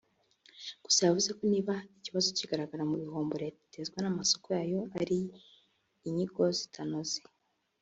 Gusa yavuze ko niba ikibazo kigaragara mu bihombo Leta itezwa n’amasoko yayo ari inyigo zitanoze